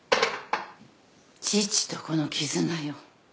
父と子の絆よ。